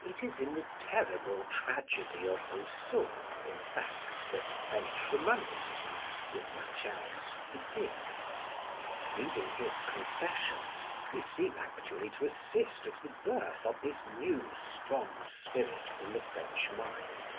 It is in the terrible tragedy of Rousseau, in fact, that French romanticism, with much else, begins: reading his Confessions we seem actually to assist at the birth of this new, strong spirit in the French mind.